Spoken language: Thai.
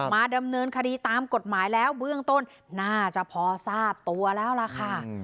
มาดำเนินคดีตามกฎหมายแล้วเบื้องต้นน่าจะพอทราบตัวแล้วล่ะค่ะ